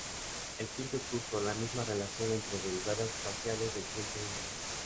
El quinto es justo la misma relación entre derivadas parciales del tiempo de antes.